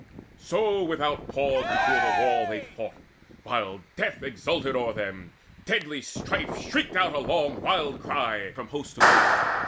So without pause before the wall they fought, While Death exulted o'er them; deadly Strife Shrieked out a long wild cry from host to host.